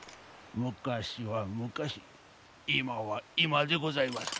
昔は昔今は今でございます。